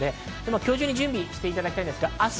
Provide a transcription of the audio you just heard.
今日中に準備をしていただきたいです。